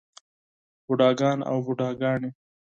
بوډاګان او بوډے ګانے